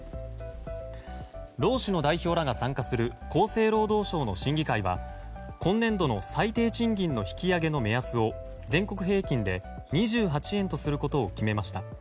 労使の代表らが参加する厚生労働省の審議会は今年度の最低賃金の引き上げの目安を全国平均で２８円とすることを決めました。